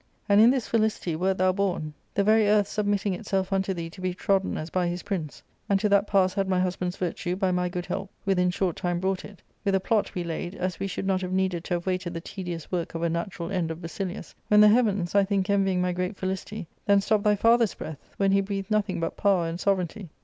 And in this felicity wert thou bom, the very earth submitting itself unto thee to be trodden V as by his prince ; and to that pass had my husband's virtue, by my good help, within short time brought it, with a plot we laid, as we should not have needed to have waited the tedious work of a natural end of Basilius, when the heavens, I think envying my great felicity, then stopped thy father's breath, when he breatiied nothing but power and sovereignty.